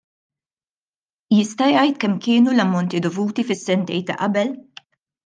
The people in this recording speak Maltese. Jista' jgħid kemm kienu l-ammonti dovuti fis-sentejn ta' qabel?